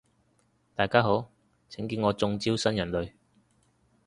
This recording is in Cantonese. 大家好，請叫我中招新人類